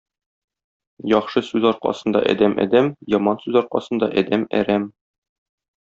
Яхшы сүз аркасында адәм — адәм, яман сүз аркасында адәм — әрәм.